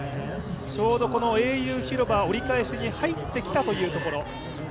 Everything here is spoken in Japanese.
ちょうど英雄広場、折り返しに入ってきたというところ。